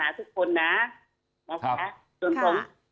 มาแล้วทุกคนนะขอให้พอร์นนาสมภาร์มปัฒนาทุกคนนะ